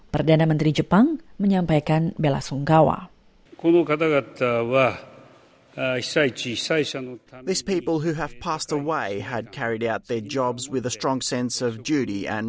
perdana menteri jepang menyampaikan bella sungkawa